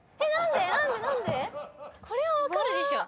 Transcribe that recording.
これは分かるでしょ。